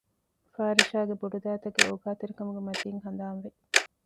ފާރިޝާގެ ބޮޑުދައިތަގެ އޯގާތެރިކަމުގެ މަތީން ހަނދާންވި